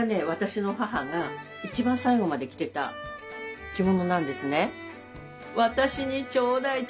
私の母が一番最後まで着てた着物なんですね。